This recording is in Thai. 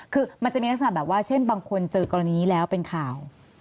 คือมันจะมีลักษณะแบบว่าเช่นบางคนเจอกรณีแล้วเป็นข่าว